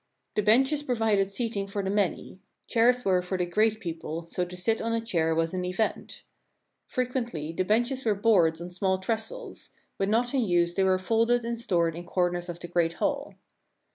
The benches provided seat ing for the many; chairs were for the great people, so to sit on a chair was an event. Fre quently the benches were boards on small trestles; when not in use they were folded and stored in corners of the great hall.